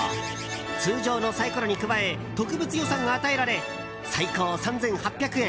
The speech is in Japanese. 通常のサイコロに加え特別予算が与えられ最高３８００円。